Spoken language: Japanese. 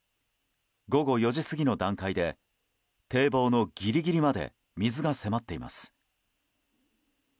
午後４時過ぎの段階で堤防のギリギリまで水が迫っています。